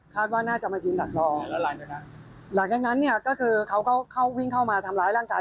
คุณคณะกรค่ะ